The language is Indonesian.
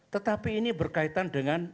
tetapi ini berkaitan dengan